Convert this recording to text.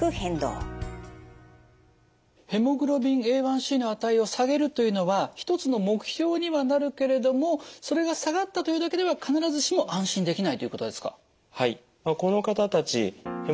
ヘモグロビンＡ１ｃの値を下げるというのは一つの目標にはなるけれどもそれが下がったというだけでは必ずしも安心できないということですか？